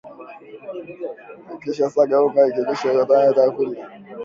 ukisha saga unga klishe unakua tayari kutumia